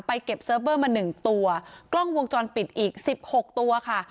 เก็บเซิร์ฟเบอร์มาหนึ่งตัวกล้องวงจรปิดอีกสิบหกตัวค่ะ